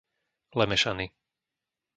Lemešany